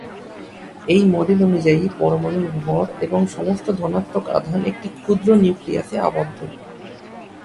এই মডেল অনুযায়ী পরমাণুর ভর এবং সমস্ত ধনাত্মক আধান একটি ক্ষুদ্র নিউক্লিয়াসে আবদ্ধ।